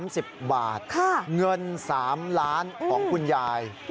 ๑๐บาทเงิน๓ล้านของคุณยาย